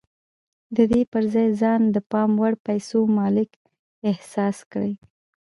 د دې پر ځای ځان د پام وړ پيسو مالک احساس کړئ.